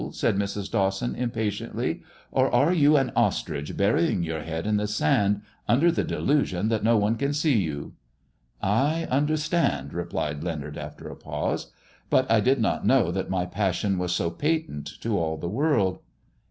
" said Mrs. Dawson, impatiently ;" or are you an ostrich, burying your head in the sand, under the delusion that no one can see you ]''" I understand," replied Leonard, after a pause. But I did not know that my passion was so patent to all the world."